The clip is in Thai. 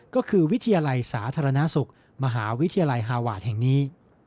ก็คือวิทยาลัยสาธารณสุขมหาวิทยาลัยฮาวาสแห่งนี้